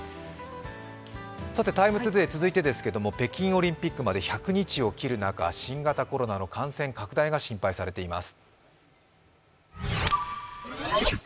さて、「ＴＩＭＥ，ＴＯＤＡＹ」続いてです、北京オリンピックまで１００日を切る中新型コロナの感染拡大が心配されています。